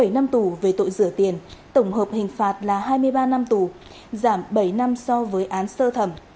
bảy năm tù về tội rửa tiền tổng hợp hình phạt là hai mươi ba năm tù giảm bảy năm so với án sơ thẩm